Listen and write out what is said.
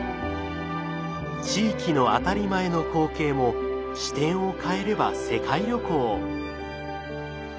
地域の当たり前の光景も視点を変えれば世界旅行。